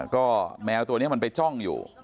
ก็แมวตัวนี้มันไปจ้องอยู่